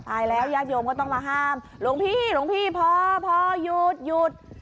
ตายแล้วยาศโยมก็ต้องมาห้ามหลวงพี่หลวงพี่พอหยุด